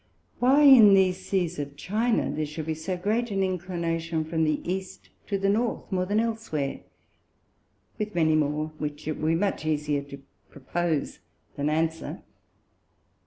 Why in these Seas of China there should be so great an Inclination from the East to the North, more than elsewhere? with many more, which it would be much easier to propose than answer.